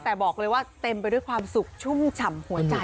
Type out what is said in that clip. แต่บอกเลยว่าเต็มไปด้วยความสุขชุ่มฉ่ำหัวใจ